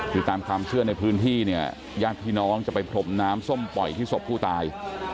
คือตามความเชื่อในพื้นที่เนี่ยญาติพี่น้องจะไปพรมน้ำส้มปล่อยที่ศพผู้ตาย